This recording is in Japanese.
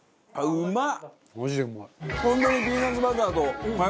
うまっ！